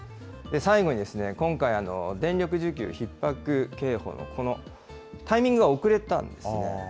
最後に、今回、電力需給ひっ迫警報のこのタイミングが遅れたんですね。